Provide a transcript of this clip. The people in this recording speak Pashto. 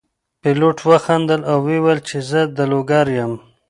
پیلوټ وخندل او وویل چې زه د لوګر یم.